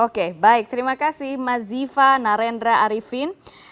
oke baik terima kasih mas ziva narendra arifin